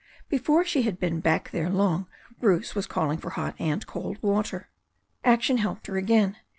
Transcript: Before she had been back there long Bruce was calling for hot and cold water. Action helped her again.